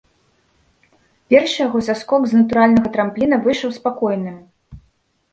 Першы яго саскок з натуральнага трампліна выйшаў спакойным.